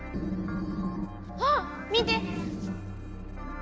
あっ見て！